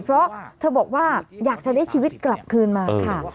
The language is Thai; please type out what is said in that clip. เพราะเธอบอกว่าอยากจะได้ชีวิตกลับคืนมาค่ะ